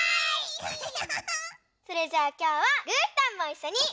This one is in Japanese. それじゃあきょうはぐーたんもいっしょに「ピカピカブ！」。